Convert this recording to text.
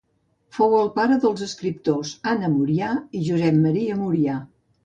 Fou el pare dels escriptors Anna Murià i Josep Maria Murià.